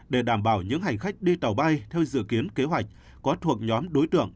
để đảm bảo những hành khách đi tàu bay theo dự kiến kế hoạch có thuộc nhóm đối tượng